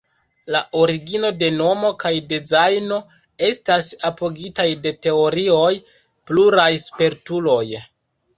La origino de nomo kaj dezajno estas apogitaj de teorioj pluraj spertuloj.